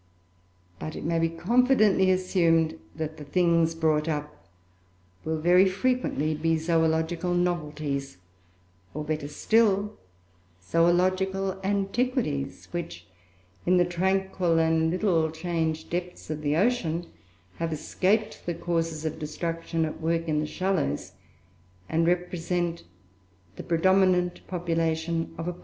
But it may be confidently assumed that the things brought up will very frequently be zoological novelties; or, better still, zoological antiquities, which, in the tranquil and little changed depths of the ocean, have escaped the causes of destruction at work in the shallows, and represent the predominant population of a past age.